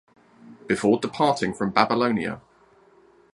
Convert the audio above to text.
Before departing from Babylonia.